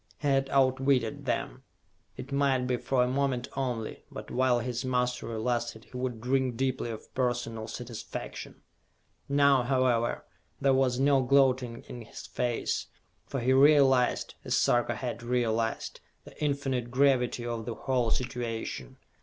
He had outwitted them. It might be for a moment only, but while his mastery lasted he would drink deeply of personal satisfaction. Now, however, there was no gloating in his face, for he realized, as Sarka had realized, the infinite gravity of the whole situation.